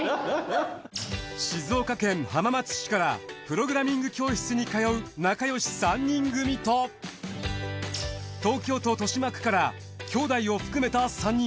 静岡県浜松市からプログラミング教室に通う仲よし３人組と東京都豊島区から姉弟を含めた３人。